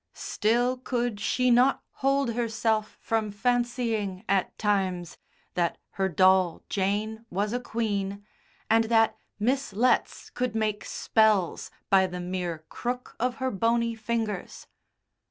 Still could she not hold herself from fancying, at times, that her doll Jane was a queen, and that Miss Letts could make "spells" by the mere crook of her bony fingers.